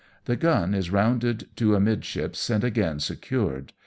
The gun is rounded to amidships and again secured.